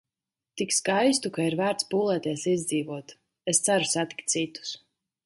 Tik skaistu, ka ir vērts pūlēties izdzīvot. Es ceru satikt citus.